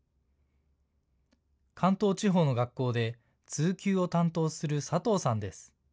関東地方の学校で通級を担当する佐藤さんです。